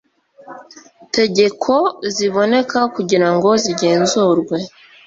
tegeko ziboneka kugira ngo zigenzurwe